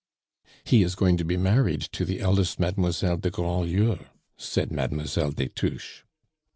"He is going to be married to the eldest Mademoiselle de Grandlieu," said Mademoiselle des Touches.